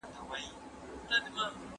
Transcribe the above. د ټولني د خدمت لپاره ملا وتړئ.